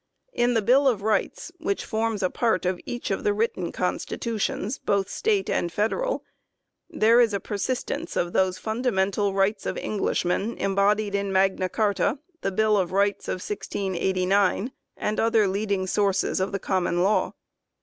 In the " Bill of Rights," which forms a part of each of the written constitutions, both State and Federal, there is a persistence of those funda mental rights of Englishmen embodied in Magna Carta, the Bill of Rights of 1689, and other leading sources of the Common Law.